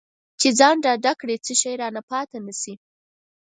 چې ځان ډاډه کړي څه شی رانه پاتې نه شي.